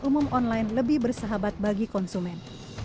umum online lebih bersahabat bagi konsumen